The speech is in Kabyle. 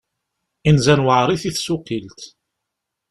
Inzan weɛrit i tsuqilt.